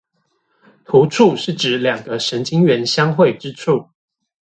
突觸是指兩個神經元相會之處